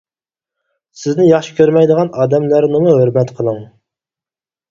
سىزنى ياخشى كۆرمەيدىغان ئادەملەرنىمۇ ھۆرمەت قىلىڭ.